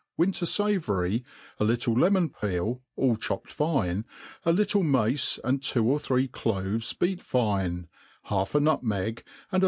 wiol^r favory, a little lemon*peel, all chopped fine, a little mace and two or three ojoves beat "fine, half a nutmeg, and a.